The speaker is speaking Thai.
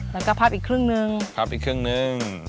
แล้วก็พับอีกครึ่งนึงพับอีกครึ่งหนึ่ง